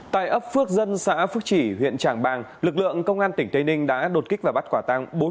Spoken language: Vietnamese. tại ấp phước dân xã phước chỉ huyện trảng bàng lực lượng công an tỉnh tây ninh đã đột kích và bắt quả tăng